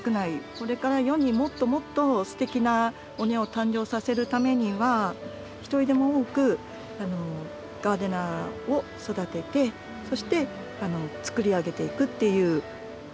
これから世にもっともっとすてきなお庭を誕生させるためには一人でも多くガーデナーを育ててそしてつくり上げていくっていう。